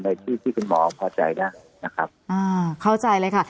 ในที่คุณหมอพอใจนะครับเข้าใจเลยค่ะ